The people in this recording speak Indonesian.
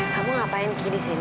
kamu ngapain key di sini